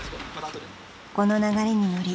［この流れに乗り